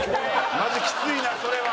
マジきついなそれは。